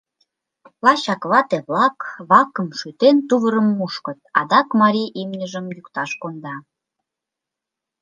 Лачак вате-влак, вакым шӱтен, тувырым мушкыт; адак марий имньыжым йӱкташ конда.